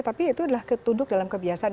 tapi itu adalah ketunduk dalam kebiasaan